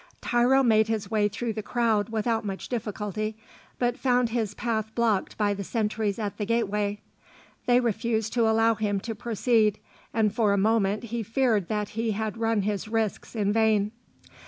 Tiro made his way through the crowd without much difficulty, but found his path blocked by the sentries at the gateway. They refused to allow him to proceed, and for a moment he feared that he had run his risks in vain.